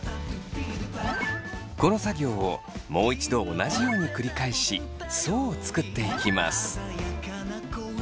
この作業をもう一度同じように繰り返し層を作っていきます。